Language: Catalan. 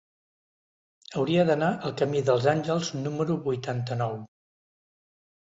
Hauria d'anar al camí dels Àngels número vuitanta-nou.